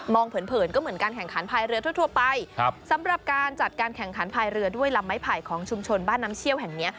เผินเผินก็เหมือนการแข่งขันภายเรือทั่วไปสำหรับการจัดการแข่งขันภายเรือด้วยลำไม้ไผ่ของชุมชนบ้านน้ำเชี่ยวแห่งเนี้ย